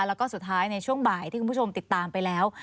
แล้วก็สุดท้ายในช่วงบ่ายที่คุณผู้ชมติดตามไปแล้ว